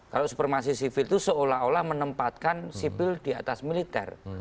kalau supermasi sipil itu seolah olah menempatkan sipil di atas militer